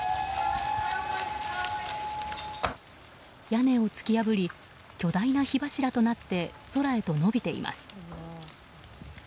屋根を突き破り巨大な火柱となって空へと延びています。